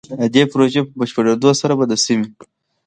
د دې پروژې په بشپړېدو سره به د سيمې